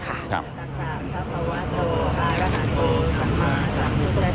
ข้าแท่สิ่งศักดิ์สิทธิ์ทั้งหลาย